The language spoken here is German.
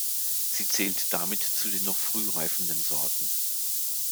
Sie zählt damit zu den noch früh reifenden Sorten.